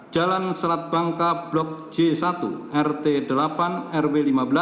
jalan selat bangka blok j satu rt delapan rw lima belas